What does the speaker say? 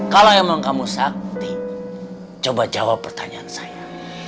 kalau emang kamu sakti coba jawab pertanyaan saya